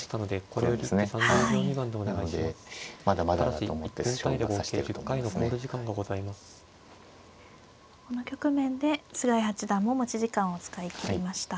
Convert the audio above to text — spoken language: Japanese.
この局面で菅井八段も持ち時間を使い切りました。